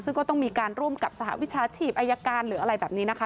ซึ่งก็ต้องมีการร่วมกับสหวิชาชีพอายการหรืออะไรแบบนี้นะคะ